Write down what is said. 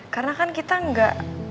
karena kan kita gak